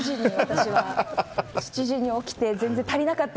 ７時に起きて全然足りなかった。